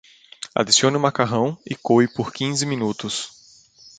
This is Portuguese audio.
Adicione o macarrão e coe por quinze minutos.